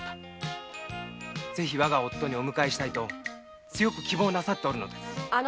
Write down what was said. ぜひわが夫にお迎えしたいと強く希望なさっておるのです。